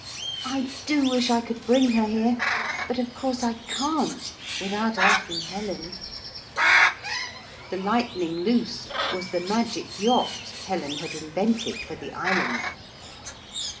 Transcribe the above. I do wish I could bring her here. But of course I can't without asking Helen.' The Lightning Loose was the magic yacht Helen had invented for the island.